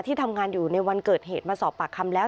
ทำงานอยู่ในวันเกิดเหตุมาสอบปากคำแล้ว